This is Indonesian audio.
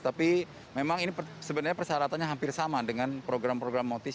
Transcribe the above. tapi memang ini sebenarnya persyaratannya hampir sama dengan program program motis